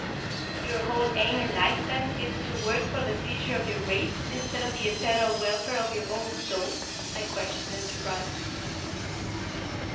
"Your whole aim in life, then, is to work for the future of your race, instead of the eternal welfare of your own soul?" I questioned, in surprise.